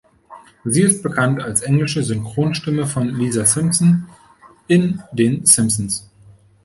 Sie ist bekannt als englische Synchronstimme von Lisa Simpson in den "Simpsons".